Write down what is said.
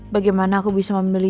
bagaimana aku bisa memilih